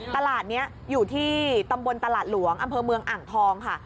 ตลาดนี้อยู่ที่ตำบลตลาดหลวงอำเภอเมืองอ่างทองค่ะ